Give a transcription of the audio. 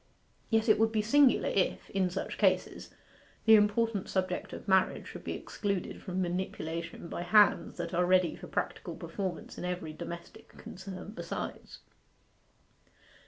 Yet it would be singular if, in such cases, the important subject of marriage should be excluded from manipulation by hands that are ready for practical performance in every domestic concern besides.